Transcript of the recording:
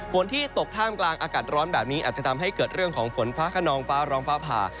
ที่ตกท่ามกลางอากาศร้อนแบบนี้อาจจะทำให้เกิดเรื่องของฝนฟ้าขนองฟ้าร้องฟ้าผ่า